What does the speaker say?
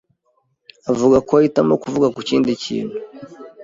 avuga ko ahitamo kuvuga ku kindi kintu.